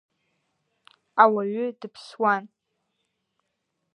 Ауаҩы дыԥсуан.